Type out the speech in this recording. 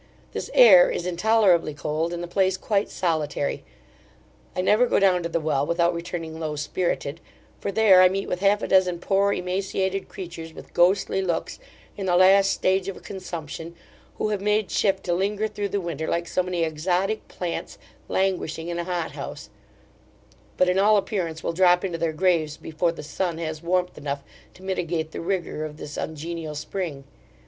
This air is intolerably cold, and the place quite solitary I never go down to the Well without returning low spirited; for there I meet with half a dozen poor emaciated creatures, with ghostly looks, in the last stage of a consumption, who have made shift to linger through the winter like so many exotic plants languishing in a hot house; but in all appearance, will drop into their graves before the sun has warmth enough to mitigate the rigour of this ungenial spring.